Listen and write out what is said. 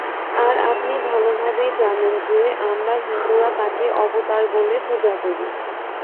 আর আপনি ভালভাবেই জানেন যে, আমরা হিন্দুরা তাঁকে অবতার বলে পূজা করি।